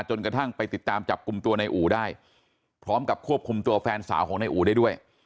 กระทั่งไปติดตามจับกลุ่มตัวในอู่ได้พร้อมกับควบคุมตัวแฟนสาวของนายอู่ได้ด้วย